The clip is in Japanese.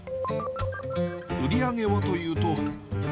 売り上げはというと。